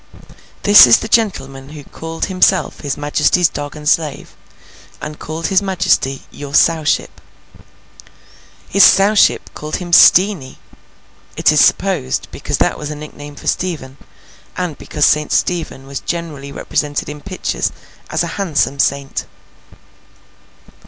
This is the gentleman who called himself his Majesty's dog and slave, and called his Majesty Your Sowship. His Sowship called him Steenie; it is supposed, because that was a nickname for Stephen, and because St. Stephen was generally represented in pictures as a handsome saint.